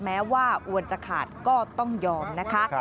แม้ว่าอวนจะขาดก็ต้องยอมนะคะ